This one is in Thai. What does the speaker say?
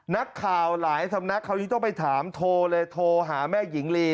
นักข่าวหลายสำนักคราวนี้ต้องไปถามโทรเลยโทรหาแม่หญิงลี